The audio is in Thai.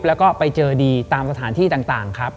แล้วก็ไปเจอดีตามสถานที่ต่างครับ